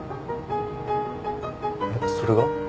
それが？